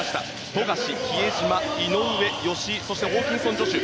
富樫、比江島、井上、吉井そしてホーキンソン・ジョシュ。